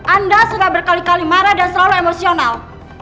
anda sudah berkali kali marah dan selalu emosional